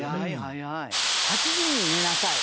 「８時に寝なさい」。